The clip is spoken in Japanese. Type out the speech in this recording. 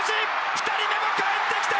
２人目もかえってきた！